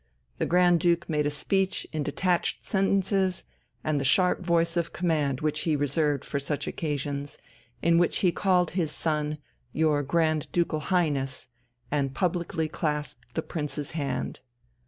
The Grand Duke made a speech in detached sentences and the sharp voice of command which he reserved for such occasions, in which he called his son "Your Grand Ducal Highness" and publicly clasped the Prince's hand.